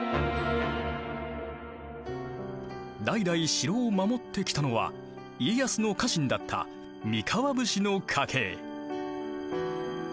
代々城を守ってきたのは家康の家臣だった三河武士の家系。